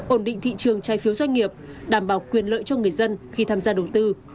ổn định thị trường trái phiếu doanh nghiệp đảm bảo quyền lợi cho người dân khi tham gia đầu tư